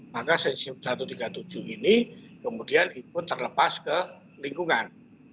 maka cesium satu ratus tiga puluh tujuh ini kemudian ikut terlepas ke lingkungan